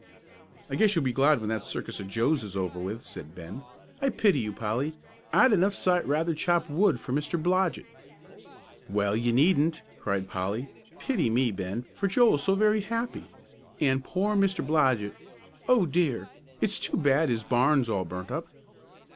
"I guess you'll be glad when that circus of Joe's is over with," said Ben. "I pity you, Polly. I'd enough sight rather chop wood for Mr. Blodgett." "Well, you needn't," cried Polly, "pity me, Ben, for Joel's so very happy. And poor Mr. Blodgett! O dear, it's too bad his barn's all burnt up."